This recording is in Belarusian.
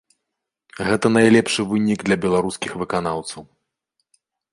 Гэта найлепшы вынік для беларускіх выканаўцаў.